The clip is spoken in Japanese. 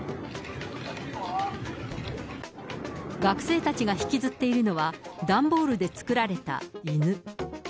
学生たちが引きずっているのは、段ボールで作られた犬。